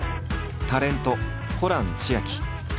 タレントホラン千秋。